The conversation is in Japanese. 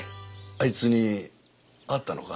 あいつに会ったのか？